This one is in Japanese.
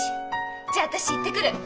じゃあ私行ってくる！